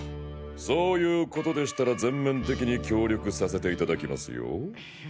そういうことでしたら全面的に協力させていただきますよ。